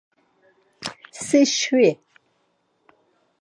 Si şvi.